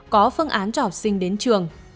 có phương án trò sinh đến trường